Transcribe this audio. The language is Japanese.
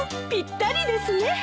ぴったりですね。